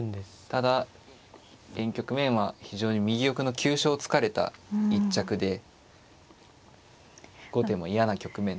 ただ現局面は非常に右玉の急所を突かれた一着で後手も嫌な局面だと思いますね。